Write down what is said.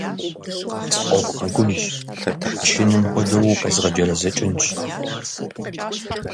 Скъомгъэгубжь, чыным хуэдэу укъезгъэджэрэзэкӏынщ!